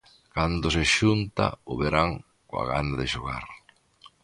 Cando se xunta o verán coa gana de xogar...